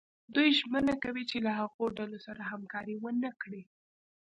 دوی ژمنه کوي چې له هغو ډلو سره همکاري ونه کړي.